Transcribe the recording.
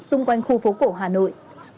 xung quanh khu phố cổ hà nội